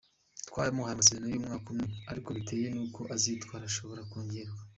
Twamuhaye amasezerano y’umwaka umwe ariko bitewe n’uko azitwara ushobora kongerwa.